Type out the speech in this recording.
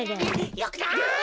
よくない！